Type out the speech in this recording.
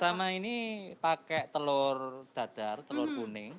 sama ini pakai telur dadar telur kuning